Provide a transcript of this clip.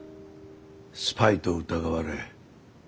スパイと疑われペリー